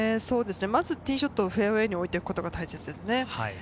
ティーショットをフェアウエーに置くことが大切です。